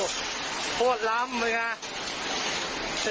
โคตรล้ำเลยค่ะ